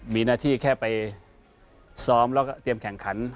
มีหน้าที่แค่ไปซ้อมแล้วก็เตรียมแข่งขัน